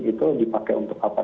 itu dipakai untuk apa